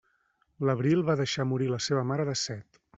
L'abril va deixar morir la seva mare de set.